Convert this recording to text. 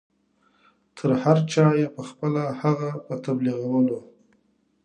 تر هر چا یې پخپله هغه په تبلیغولو.